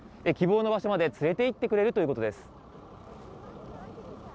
希望の場所まで連れていってくれるということです。